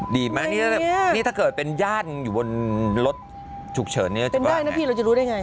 ดีไหมนี่ถ้าเกิดเป็นญาติอยู่บนรถฉุกเฉินเนี่ยเป็นได้นะพี่เราจะรู้ได้ไง